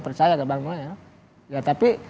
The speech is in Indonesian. percaya ke bang noel ya tapi